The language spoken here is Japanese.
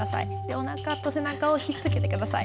おなかと背中をひっつけて下さい。